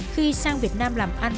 khi sang việt nam làm ăn